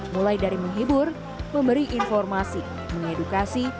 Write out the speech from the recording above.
mulai dari menghibur memberi informasi mengedukasi